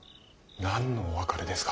何のお別れですか。